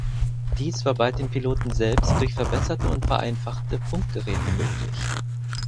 Dies war bald den Piloten selbst durch verbesserte und vereinfachte Funkgeräte möglich.